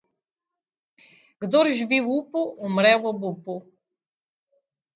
Kdor živi v upu, umre v obupu.